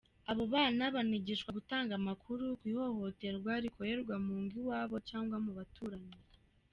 Abo bana banigishwa gutanga amakuru ku ihohoterwa rikorerwa mu ngo iwabo cyangwa mu baturanyi.